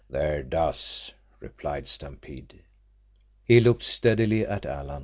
"There does," replied Stampede. He looked steadily at Alan.